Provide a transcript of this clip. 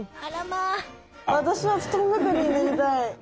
わたしはふとん係になりたい。